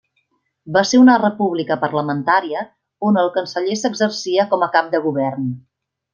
Va ser una república parlamentària on el Canceller s'exercia com a Cap de Govern.